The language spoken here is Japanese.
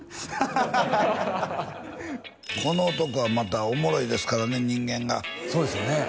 この男はまたおもろいですからね人間がそうですよね